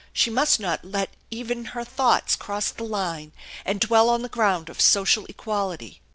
She must not let even her thoughts cross the line and dwell on the ground of social equality.